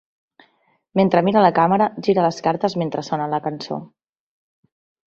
Mentre mira la càmera, gira les cartes mentre sona la cançó.